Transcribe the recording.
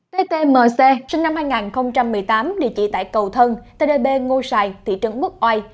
ttmc sinh năm hai nghìn một mươi tám địa chỉ tại cầu thân tây đề bê ngô sài thị trấn quốc ai